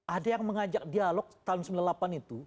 ada yang mengajak dialog tahun sembilan puluh delapan itu